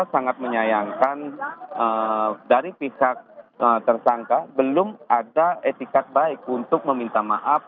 sangat menyayangkan dari pihak tersangka belum ada etikat baik untuk meminta maaf